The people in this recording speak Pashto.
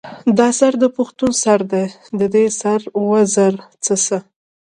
دا سر د پښتون سر دے ددې سر پۀ وزر څۀ